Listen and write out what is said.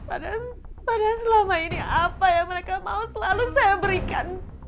padahal pada selama ini apa yang mereka mau selalu saya berikan